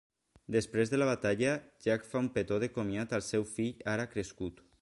Després de la batalla, Jack fa un petó de comiat al seu fill ara crescut.